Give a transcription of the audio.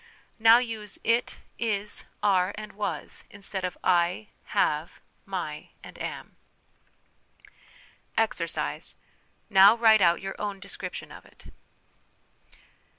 Now use it, is, are, and was, instead of /, have, my, and am. 11 Exercise. " Now write out your own description of it."